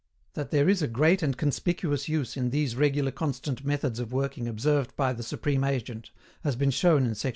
That there is a great and conspicuous use in these regular constant methods of working observed by the Supreme Agent has been shown in sect.